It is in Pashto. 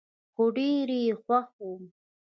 هو، ډیر یي خوښوم